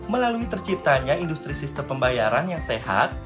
melalui terciptanya industri sistem pembayaran yang sehat